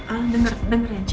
al denger denger ya